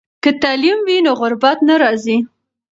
که تعلیم وي نو غربت نه راځي.